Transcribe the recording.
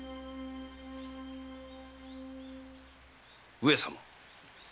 上様。